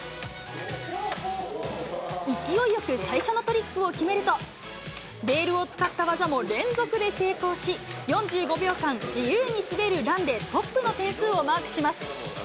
勢いよく最初のトリックを決めると、レールを使った技も連続で成功し、４１秒間、自由に滑るランでトップの点数をマークします。